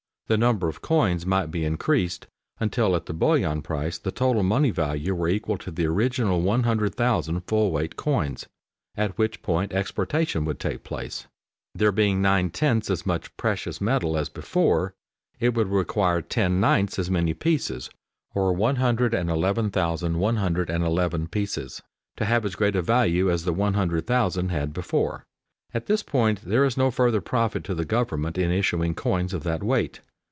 The number of coins might be increased until at the bullion price the total money value were equal to the original 100,000 full weight coins, at which point exportation would take place. There being nine tenths as much precious metal as before, it would require ten ninths as many pieces, or 111,111 pieces, to have as great a value as the 100,000 had before. At this point there is no further profit to the government in issuing coins of that weight.